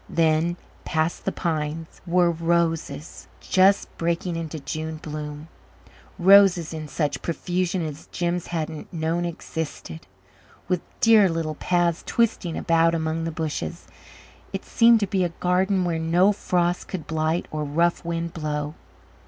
Then, past the pines, were roses just breaking into June bloom roses in such profusion as Jims hadn't known existed, with dear little paths twisting about among the bushes. It seemed to be a garden where no frost could blight or rough wind blow.